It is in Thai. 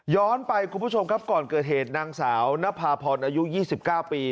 ย้อนไปคุณผู้ชมครับก่อนเกิดเหตุนางสาวนภาพรอายุยี่สิบเก้าปี